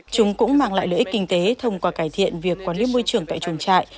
chúng cũng mang lại lợi ích kinh tế thông qua cải thiện việc quản lý môi trường tại chuồng trại